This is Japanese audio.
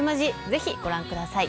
ぜひご覧ください。